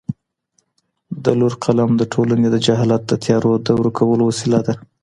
د لور قلم د ټولنې د جهالت د تیارو د ورکولو وسیله ده